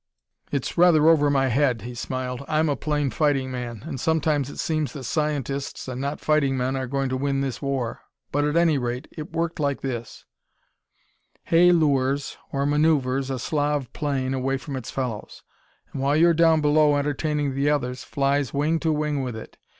"It's rather over my head," he smiled. "I'm a plain fighting man, and sometimes it seems that scientists and not fighting men are going to win this war.... But, at any rate, it worked like this: "Hay lures, or maneuvers, a Slav plane away from its fellows, and while you're down below entertaining the others, flies wing to wing with it.